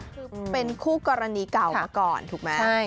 คือเป็นคู่กรณีเก่ามาก่อนถูกไหม